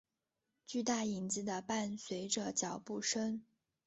巨大影子的伴随着脚步声。